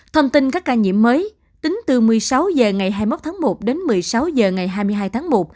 thông tin các ca nhiễm mới tính từ một mươi sáu h ngày hai mươi một tháng một đến một mươi sáu h ngày hai mươi hai tháng một